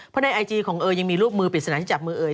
เพราะในไอจีของเอยยังมีรูปมือปริศนาที่จับมือเอ่